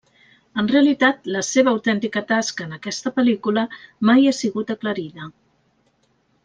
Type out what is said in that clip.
En realitat, la seva autèntica tasca en aquesta pel·lícula mai ha sigut aclarida.